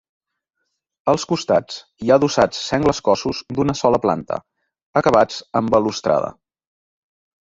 Als costats hi ha adossats sengles cossos d'una sola planta acabats amb balustrada.